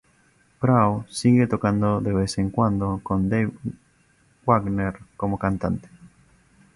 Crow sigue tocando de vez en cuando con Dave Wagner como cantante.